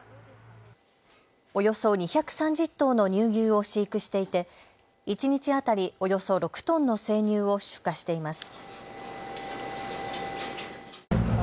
およそ２３０頭の乳牛を飼育していて一日当たりおよそ６トンの生乳を出荷しています。